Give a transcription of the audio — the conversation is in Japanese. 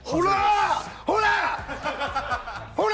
ほら！